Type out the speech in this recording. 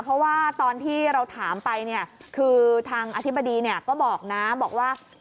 เพราะว่าตอนที่เราถามไปคือทางอธิบดีก็บอกนะ